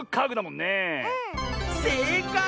せいかい。